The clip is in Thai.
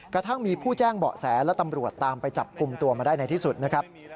กระทั่งมีผู้แจ้งเบาะแสและตำรวจตามไปจับกลุ่มตัวมาได้ในที่สุดนะครับ